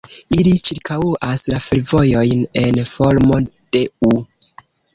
Ili ĉirkaŭas la fervojojn en formo de "U".